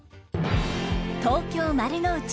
東京丸の内。